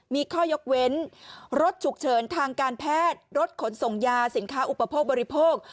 มีข้อยกเว้นรถฉุกเฉินทางการแพทย์รถขนส่งยาสินค้าอุปโภคบริโภค